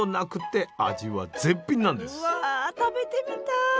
うわ食べてみたい！